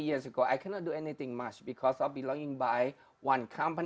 saya tidak bisa melakukan banyak hal karena saya berada di satu perusahaan